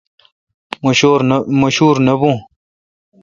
مہ شور نہ بھوں۔